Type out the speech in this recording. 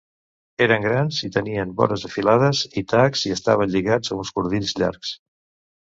Eren grans i tenien vores afilades i tacs, i estaven lligats a uns cordills llargs.